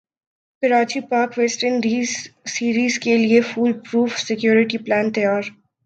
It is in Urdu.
Karachi Pak West Indies series کیلئے فول پروف سیکورٹی پلان تیار